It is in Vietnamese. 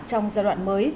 trong giai đoạn mới